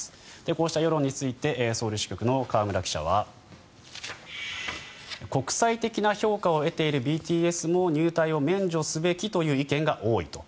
こうした世論についてソウル支局の河村記者は国際的な評価を得ているＢＴＳも入隊を免除すべきという意見が多いと。